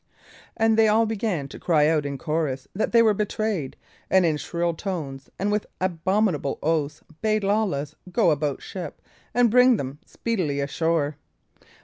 And they all began to cry out in chorus that they were betrayed, and in shrill tones and with abominable oaths bade Lawless go about ship and bring them speedily ashore.